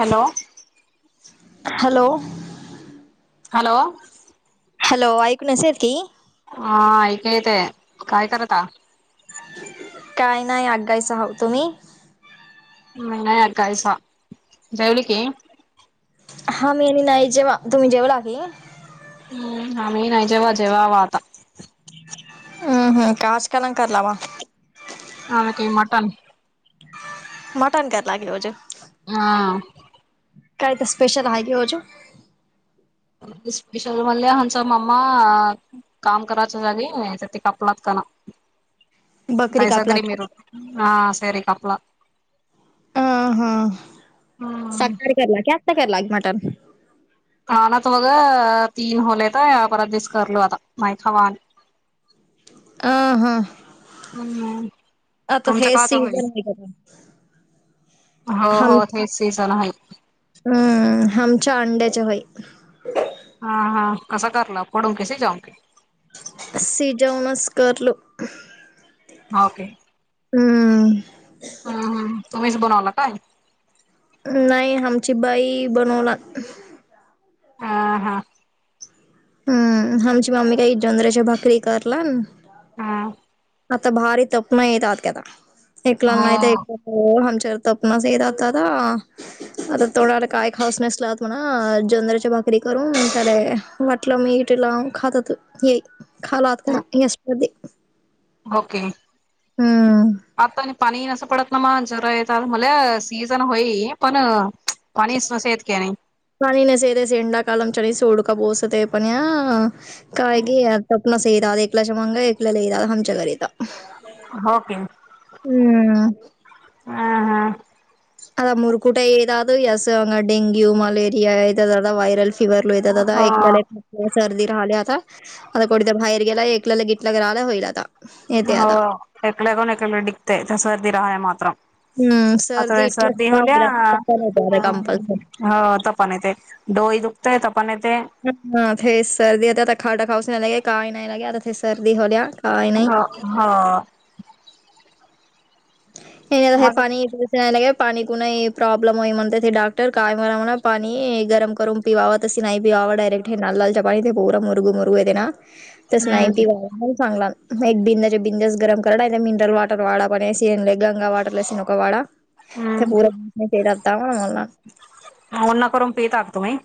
Hello hello hello hello ऐकू नेसेल की हा ऐका येतय काय करता? काय नाही तुम्ही? म नाही कायसा जेवली की हा मी आणि नाही जेवा तुम्ही जेवला की हम्म आम्ही नाही जेवा जेवाव आता हम्म हम्म आणि काय मटन मटन कर लागेलवोज [inaudible] हा. काय ते स्पेशल हाय नियोजन स्पेशल रू मल् होच मामा [inaudible] काम करायचं जागे त्या कापलात कना बकरी तैसकर कापलात की मीरू हह सर कापला अह ह हम्म सकाळी करला कता करलाक मटन [inaudible] कानात बघ तीन होले तर या परत दिस करलो आता नाही खवाने [inaudible] अहं हम्म आता तुमच्या हे काच होई सीजन [inaudible] हो हो तेच सीझन हाईत. हं आमच्या अंड्याच्या होई. हा हा कसं करल पडून कैसे जाऊ सिजवनसकारलो. ओके. हम्म. हम्म हम तुम्हीच बनवला काय. नाही आमची बाई बनवनार. ह हा. हम्म आमची मम्मी काही जोंधळ्याच्या भाकरी करणार. हा. आता भारी तप नाही येतात कता इकलून नाहीेत येत. हो हो हमचर तर आपना सही राहतात. आता तोडला काय खाऊस नसलात म्हणा जोंधळ्याच्या भाकरी करून त्या म्हटलं मी तीला खात होतो खाला आत [unintelligible] ओके हम्म आता. पाणी नसं पडत ना म जरा येत म्हला सीझन होई पण पाणीस नसे येत कणी पाणी नसे ते सेएंडा कालम चणी सोडका बोसते पणयं काय घेयत नसे दा एक लकलच्या एक ल ल द आमच्या घरीता ओके. हम् आ मुरकुटा एव दाद असं डेंग्यू, मलेरीया येता जाता व्हायरल. की भरलो येता जाता हो [inaudible] सर्दी राहिल्या आता आता कोणीत बाहेर गेला एकला घेतला लगितला राहिला होईल आता येते हो आता. एकड गन एककडे टीकतयं तसं राहा मात्रा. हं आता इतक्या सर्दी सुद्धा होल्या होईल आता कशाला येते आता अ कंपल्सरी. ह तपण येतयं डोई दुखतयं तपण येते. ह हा ते सर्दी हो आता खाटा खाऊस नाही लागे काय नाही लागे आता ते सर्दी होल्या काय नाही. ह हा. एणे माझ पाणी. का पाणी कु नाही प्रॉब्लेम होय म्हणतात ते हे डाक्टर काय म्हणा म्हणा पाणी गरम करून पिवा तशी नाही पिवाव डायरेक्ट हे न लालच्या पाणी ते पूरा मुरगू मुरगू येते ना. [inaudible] तसं नाही पिहू वा पण चांगला एक बिंद्याच्या बिंद्यास गरम कराला मिनरल वॉटर वाढा पण ले गंगा वाटर सनका वाड ते हम्म पूरतावा आ म्हला उन्हं करून पिता क तुमी?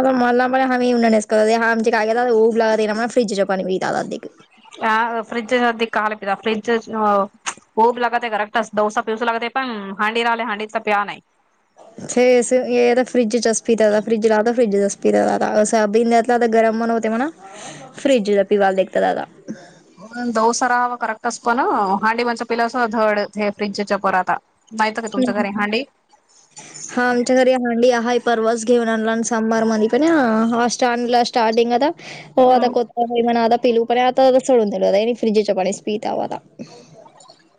आता मला पमहीन नस करत आम काय उऊब लागा ना फ्रीिज प पाणी ब दादा [unintelligible] [unintelligible] [unintelligible] [unintelligible] [unintelligible] [unintelligible] [unintelligible] [unintelligible] [unintelligible]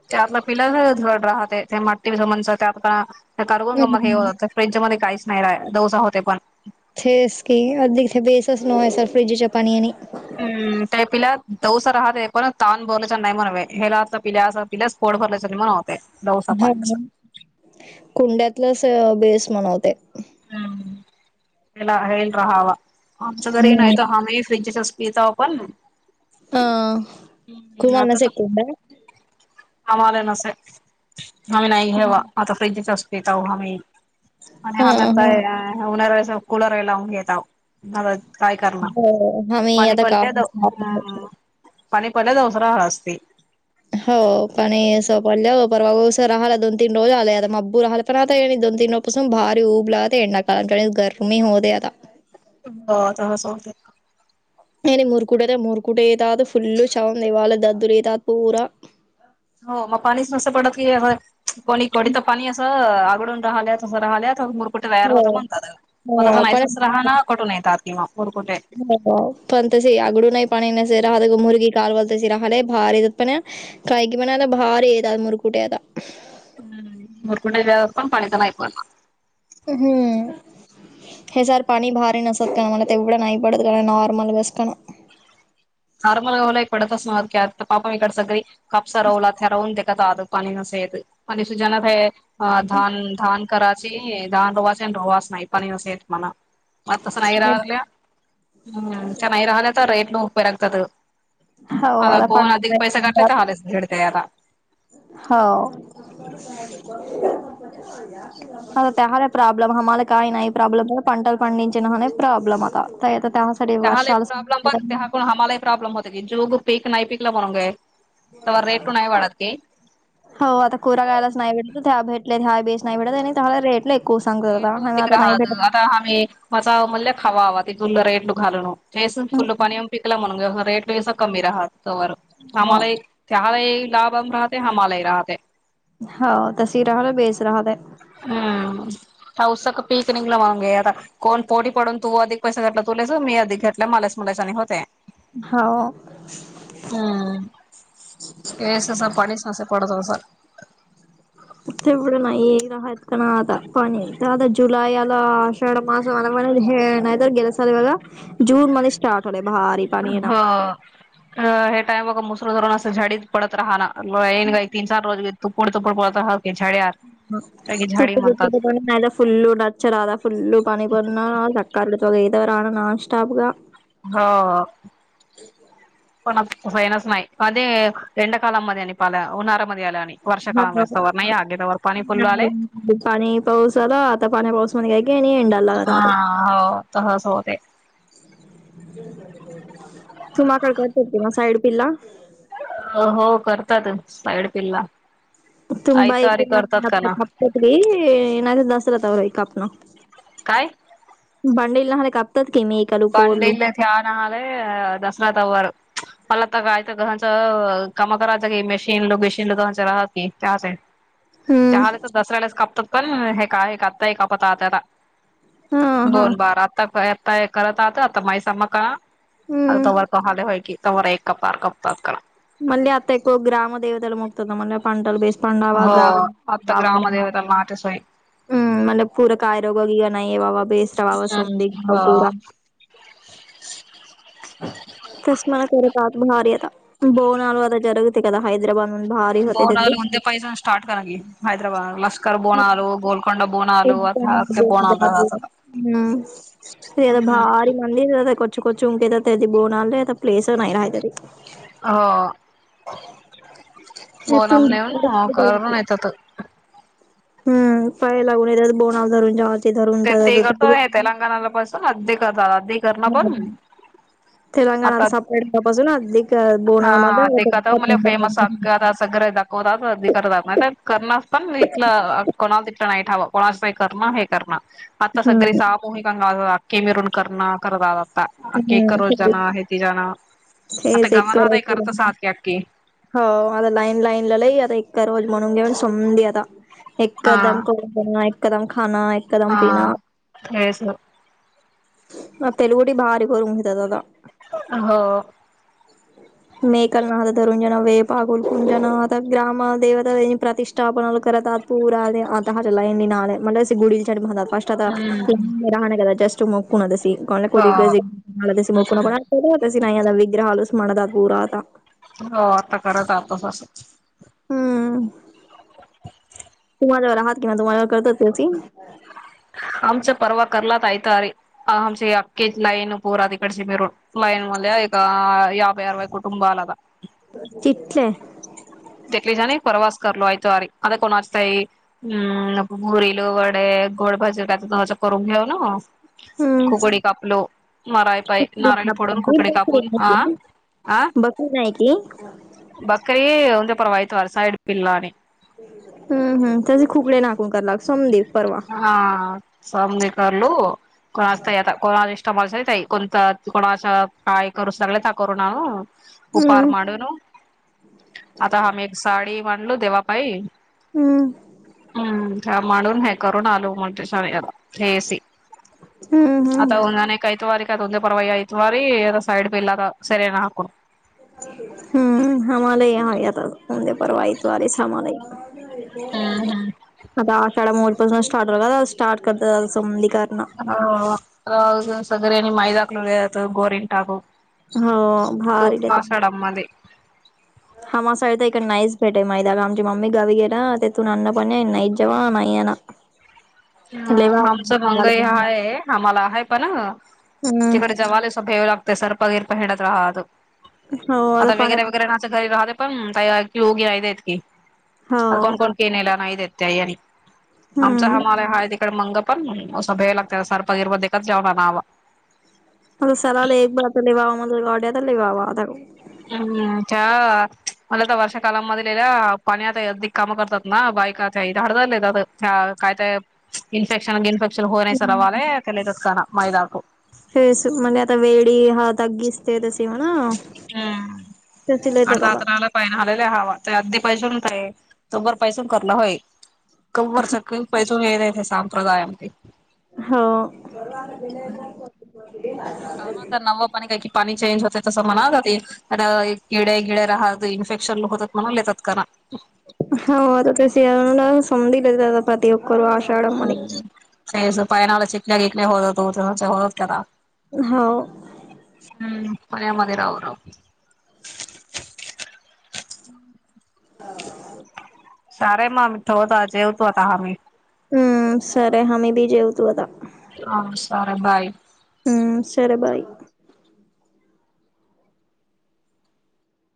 [unintelligible] [unintelligible] [unintelligible] [unintelligible] हो [unintelligible] [unintelligible] [unintelligible] हम्म [unintelligible] आता तर [unintelligible] [unintelligible] [unintelligible] हो, आम्ही आता गावातच [unintelligible] [unintelligible] [unintelligible] [unintelligible] [unintelligible] [unintelligible] [unintelligible] हो. [unintelligible] अ, पण [unintelligible] [unintelligible] [unintelligible] [unintelligible] [unintelligible] [unintelligible] [unintelligible] [unintelligible] [unintelligible] [unintelligible] [unintelligible] हो [unintelligible] हाव. [unintelligible] [unintelligible] स्वतः. रेट नाही वाढत की हो, आता कोरा कागदच नाही भेटत. हे भेटले हा बेस नाही भेटत. आणि इथं रेट लई [unintelligible] [unintelligible] [unintelligible] राहते. हामालाही राहते. हो तशी राहले. बेस रहाते. हं. पाऊसक पिक निंघल मनून घेतं. [unintelligible] कोण पोडी पडून तू आधी पैसं घेतलेस तुलेस. मी आधी घेतलं, मलेस पैसनी होतय. हाओ. हं. ये ससा, पाणी ससा, पडत असा. [unintelligible] [unintelligible] [unintelligible] [unintelligible] काय की झाडी म्हणतात [unintelligible] [unintelligible] हो. [unintelligible] [unintelligible] [unintelligible] हा, हो. तहच होतय. तुमाकड काय करतीला. साईड पिल्ला. हो, हो. करतातच साईड पिल्ला. आयतवारी करतात का ना [unintelligible] काय? [unintelligible] [unintelligible] मला तर काय तर घहांचं. कामं करायच गे मशीन, लोगेशिन लगणचं राहाती. [unintelligible] [unintelligible] [unintelligible] हो [unintelligible] आता ग्रामदेवताला नाटेसोय [unintelligible] [unintelligible] [unintelligible] [unintelligible] तीकाला हैदराबाद. [unintelligible] हम्म [unintelligible] [unintelligible] येथून [unintelligible] ते ते करतो [unintelligible] [unintelligible] [unintelligible] आता [unintelligible] सगर दाखवतात अधिकार दाखव करणारस पण इथलं कोणा हम्म [unintelligible] हो कांगा अखे म मिरून करर्ना करत आता अ एक रोज हम्म जाण आहे ति जाण आता हेच एक गवनात करायचं करतच आहात की अखखी हो आता लाईन लाईनला लई आता एका रोज म्हणून घेऊन संधी आता हा एकदम को देना एकदम खाना हा तेस आ तेलगडी भारी कोर मुठत ददा हो मेकलनाथ रुंजन वे पागुोल कुंजन आता ग्रम देवता प्रतष्ठ स्टा आपनलारात पूरा आता हहा चलायडी ना मणला अी गुडी छड मातता हम्म राहा का जस्ट मोकना दस हो हम्म कोणला क होता सि नाही विग्रहलस मणत पूराता हो आता करत आतोस अससं हम्म तु माझ्यावर आहात किं तुमझ्यावर करताती आमचं पर्वा करलात आयत अरे आमचे अखे लाईन पोर तिकडचे मिरून फ्ईन मल एकका याबई अरवई कटुबलता चिच्चे दक्लीश आणि प्रवास करो आऐटावरी तोवारी अता कोणाचतााई हम् नक घुरील वडे गोड भाजी काय तर करून घेऊ ना हम्म खुकडी कापलो नारळ पाय नारळी फोडून खुकडी कापून ह बघू आहे की बकरी अपरा वयत व सयईड पिला आणि हम् हम तसे खुकडे नाकून करा लाग सोमदीेव परवा हा समने करलो कोणा आता कोणा इष्टम कोणतं कोणाचं काय करू सगळ का करू न उपार हम्म मांडूून आता आम् एक साडी मांडलो देवापाई हम्म म्हणून हे करून आलू म्हण हेसी हम्म हम्म आता उन्हा ऐत वारी क उद्या परावाय ऐत वारीदा सईड पिल्लादा सरय ना हकून हम्म हम्हाला आ याताे परवाह त आलेच हमला आता साा मोजपासून स्टार्ट स्टार्ट कर समली करण हो सगर आणि मैदाकलात गोरनटाकू हो क भारी वासडमध्ये हा मा असळ तर इकड नाहीच भेट आहे माहिदा का आमची मम्मी गावी गेरा तेथून अन्नपणे आहे नाहीच जवा नाही आहे ना ह ह लय आमचं वाव मंगई हा आम्हाला आहे पण हम्म तिकडे जवाला ेव लागते सर्पगरप हिडत रा हा अ हो आता पाण्या वेैरे वगैर च्या घरी राहते पण का ओगी नाही देत हो कीता कोण कोण के नला नाही देत त्याई आणि आमचा हम्म हमाला हा आहे तिकडे मंग पण असं भ्याय लागत सरपगिरवा दे जेवणा नावा म सलाव एक बार ल ववा म्हझज गाड्या लि ववा आ हम्म च म्हला आता वर्ष कालामध्येध ललं पाणी आता अदी काम करतात ना बायक हड काय काय इन्फेक्शन गिनफेश हो नाही हम्म. सरवाले तेलेजचकाना मैदाू फेस म्हणे आता वेडी हातगीस हम्म अर्धा [unintelligible] [unintelligible] [unintelligible] हो. काम तर नवं पाणी काही क पाणी चेंज होते तसं म्हणात ते आता किडे गिडे राहत इन्फेक्शन होतात म्हणून येतात [unintelligible] [unintelligible] हम्म प्यायच्या पाण्याला चिकण्या किकण्या होतत [unintelligible] हाव. हम्म पाण्यामध्ये राव राव सारे म ठेवतो जेवतू आता हमे. हम्म सरे हमी बी जेवतू आता. हां सॉरे बाय. हम्म सर बाय.